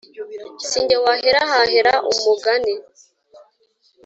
Sijye wahera hahera umugani